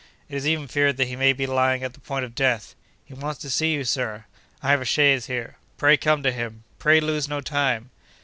It is even feared that he may be lying at the point of death. He wants to see you, Sir. I have a chaise here. Pray come to him. Pray lose no time.